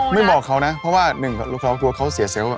บอกเขานะเพราะว่าหนึ่งลูกค้ากลัวเขาเสียเซลล์